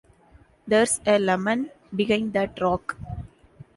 There's a lemon behind that rock!